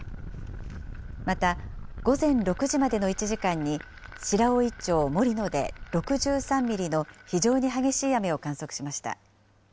また、午前６時までの１時間に白老町森野で６３ミリの非常に激しい雨を観測しました。